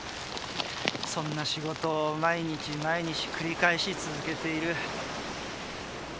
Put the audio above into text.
そんな仕事を毎日毎日繰り返し続けている。